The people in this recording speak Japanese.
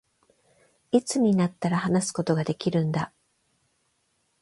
いつになったら、話すことができるんだ